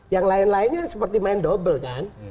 yang lain lainnya seperti main double kan